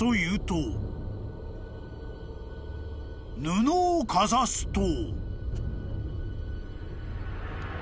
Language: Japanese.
［布をかざすと］